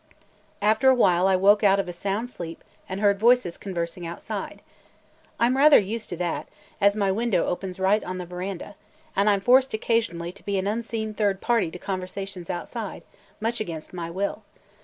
After a while I woke out of a sound sleep and heard voices conversing outside. I 'm rather used to that, as my window opens right on the veranda, and I 'm forced occasionally to be an unseen third party to conversations outside, much against my will.